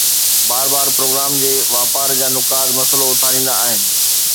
بار بار پروگرام جي واپار جا نقاد مسئلو اٿاريندا آهن